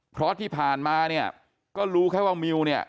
เพราะที่ผ่านมาเนี่ยก็รู้แค่ว่ามิวเนี่ย